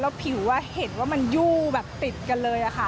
ผิวเห็นว่ามันยู่แบบติดกันเลยค่ะ